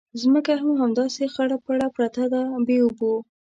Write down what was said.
ځمکه هم همداسې خړه پړه پرته ده بې اوبو.